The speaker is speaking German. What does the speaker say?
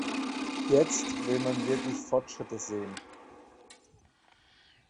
Jetzt will man wirkliche Fortschritte sehen.